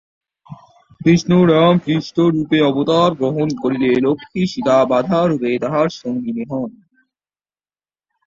বিষ্ণু রাম ও কৃষ্ণ রূপে অবতার গ্রহণ করলে, লক্ষ্মী সীতা, রাধা রূপে তাঁদের সঙ্গিনী হন।